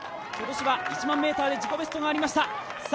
今年は１００００ｍで自己ベストがありました。